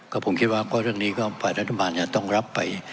ก็ผมคิดว่าก็เรื่องนี้ก็ฝ่ายรัฐบาลจะต้องรับไป